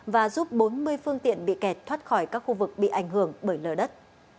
và giúp bốn mươi phương tiện bị kẹt thoát khỏi các khu vực bị ảnh hưởng bởi lở đất